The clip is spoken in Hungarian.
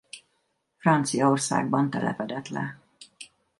Franciaországban telepedett le.